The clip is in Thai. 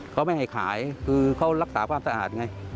เขาไม่ให้ขายคือเขารักษาความสะอาดไง